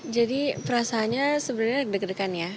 jadi perasaannya sebenarnya deg degan ya